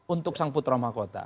untuk sang putra mahkota